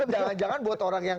jangan jangan buat orang yang